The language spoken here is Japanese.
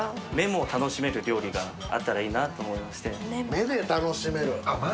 目で楽しめる。